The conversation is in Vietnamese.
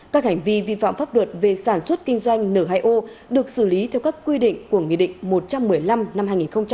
các hành vi vi phạm pháp luật về sản xuất kinh doanh n hai o được xử lý theo các quy định của nghị định một trăm một mươi năm năm hai nghìn một mươi bảy